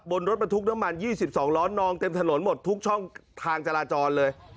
บนรถบรรทุกน้ำมัน๒๒ล้อนองเต็มถนนหมดทุกช่องทางจราจรเลย